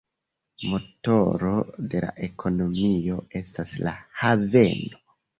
Motoro de la ekonomio estas la haveno.